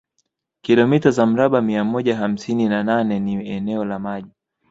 Kilomita za mraba mia moja hamsini na nane ni eneo la maji